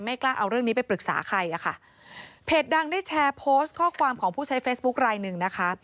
กล้าเอาเรื่องนี้ไปปรึกษาใครอ่ะค่ะเพจดังได้แชร์โพสต์ข้อความของผู้ใช้เฟซบุ๊คลายหนึ่งนะคะ